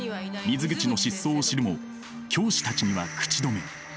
水口の失踪を知るも教師たちには口止め。